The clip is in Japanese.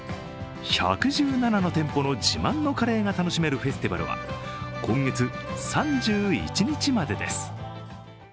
１１７の店舗の自慢のカレーが楽しめるフェスティバルは今月３１日までです。